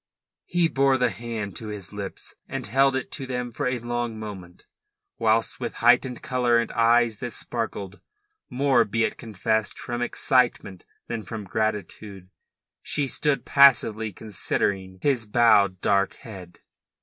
He bore the hand to his lips and held it to them for a long moment, whilst with heightened colour and eyes that sparkled, more, be it confessed, from excitement than from gratitude, she stood passively considering his bowed dark head.